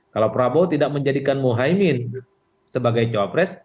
kalau prabowo tidak menjadikan mo haimin sebagai capres